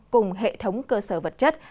cùng hệ thống cơ sở vật chất